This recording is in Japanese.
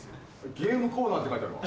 「ゲームコーナー」って書いてあるわ。